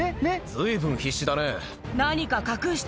随分必死だね。